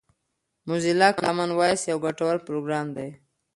موزیلا کامن وایس یو ګټور پروګرام دی.